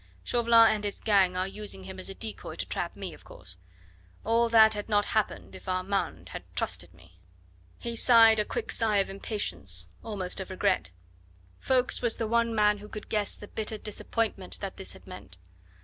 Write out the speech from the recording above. Chauvelin and his gang are using him as a decoy to trap me, of course. All that had not happened if Armand had trusted me." He sighed a quick sigh of impatience, almost of regret. Ffoulkes was the one man who could guess the bitter disappointment that this had meant.